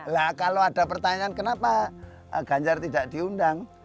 lah kalau ada pertanyaan kenapa ganjar tidak diundang